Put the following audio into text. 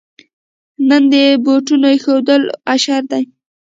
نن د بوټو اېښودلو اشر دی.